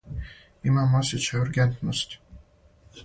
Имамо осећај ургентности.